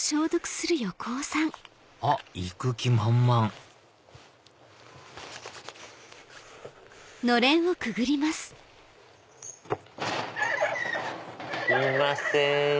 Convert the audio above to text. あっ行く気満々すいません。